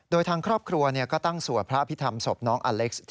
โดยทางครอบครัวก็ตั้งสวดพระอภิษฐรรมศพน้องอเล็กซ์